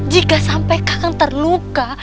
jika sampai kakak terluka